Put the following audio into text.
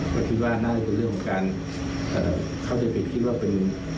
ก็คิดว่าน่าจะเป็นเรื่องของการเข้าใจผิดคิดว่าเป็น